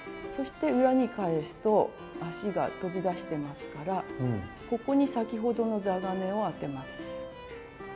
そして裏に返すと足が飛び出してますからここに先ほどの座金を当てます。